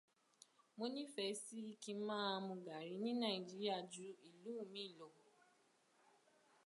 Mo nífẹ̀ẹ́ sí kin máa mu Gàrí ní Nàìjíríà ju ìlú mi lọ.